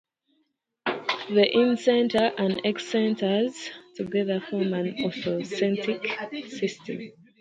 The incenter and excenters together form an orthocentric system.